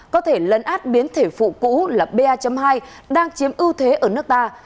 có thể lấn át biến thể phụ cũ là ba hai đang chiếm ưu thế ở nước ta